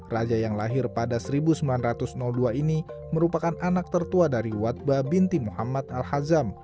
raja yang lahir pada seribu sembilan ratus dua ini merupakan anak tertua dari watba binti muhammad al hazam